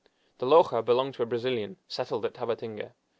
The loja belonged to a Brazilian settled at Tabatinga.